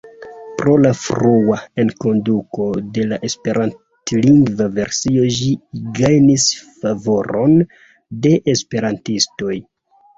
Pro la frua enkonduko de la esperantlingva versio ĝi gajnis favoron de esperantistoj.